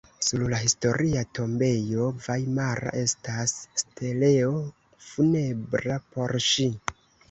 Sur la Historia tombejo vajmara estas steleo funebra por ŝi.